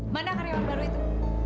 mana karyawan baru itu